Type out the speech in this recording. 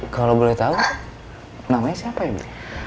kalau boleh tahu namanya siapa ya bu